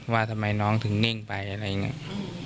ว่าทำไมน้องถึงนิ่งไปอะไรอย่างนี้